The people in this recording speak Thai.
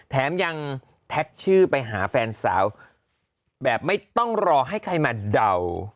แถมยังแท็กชื่อไปหาแฟนสาวแบบไม่ต้องรอให้ใครมาเดา